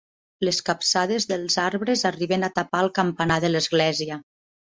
Les capçades dels arbres arriben a tapar el campanar de l'església.